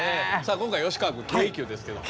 今回吉川君京急ですけども。